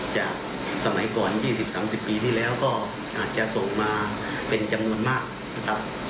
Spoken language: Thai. จากสมัยก่อน๒๐๓๐ปีที่แล้วก็อาจจะส่งมาเป็นจำนวนมากนะครับ